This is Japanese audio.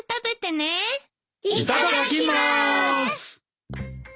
いただきまーす。